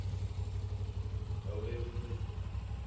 Ew ê bibizdin.